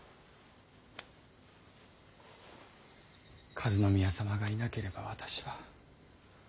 和宮様がいなければ私は。